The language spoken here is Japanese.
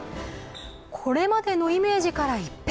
これまでのイメージから一変